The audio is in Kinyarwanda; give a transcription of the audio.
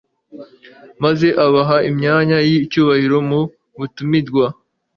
maze abaha imyanya y'icyubahiro mu batumirwa